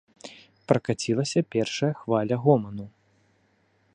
Пракацілася першая хваля гоману.